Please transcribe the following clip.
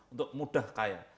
untuk mudah kaya